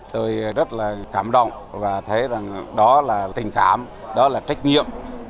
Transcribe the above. tôi rất là cảm động và thấy rằng đó là tình cảm đó là trách nhiệm